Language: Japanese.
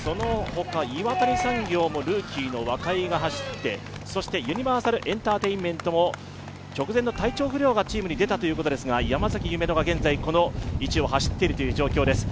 岩谷産業もルーキーの若井が走って、ユニバーサルエンターテインメントも直前の体調不良がチームに出たということで山崎夢乃が現在この位置を走っている状況です。